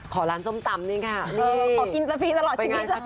ขอร้านส้มตำเนี่ยค่ะ